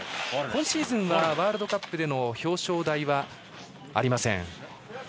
今シーズンはワールドカップでの表彰台はありません。